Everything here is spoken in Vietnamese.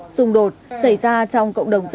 xung đột xảy ra trong cộng đồng